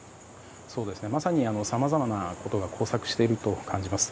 まさにさまざまなことが交錯していると感じます。